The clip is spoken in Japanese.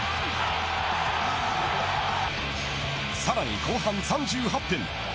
さらに後半３８分。